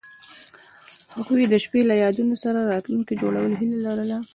هغوی د شپه له یادونو سره راتلونکی جوړولو هیله لرله.